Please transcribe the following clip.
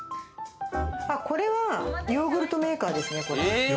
これはヨーグルトメーカーですね。